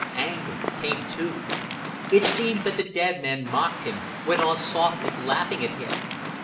Anger came too. It seemed that the dead man mocked him, went on softly laughing at him.